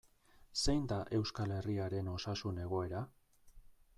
Zein da Euskal Herriaren osasun egoera?